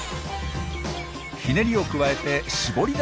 ひねりを加えて絞り出すものも。